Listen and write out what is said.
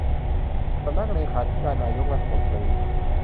สำนักเลขาธิการนายกรัฐมนตรี